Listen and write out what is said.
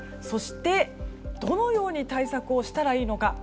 そして、どのように対策をしたらいいのか。